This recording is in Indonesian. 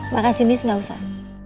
makasih nis gak usah